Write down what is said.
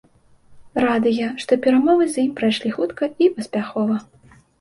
Радыя, што перамовы з ім прайшлі хутка і паспяхова.